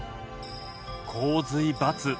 「洪水×」。